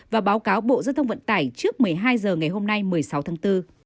và báo cáo bộ giao thông vận tải trước một mươi hai h ngày hôm nay một mươi sáu tháng bốn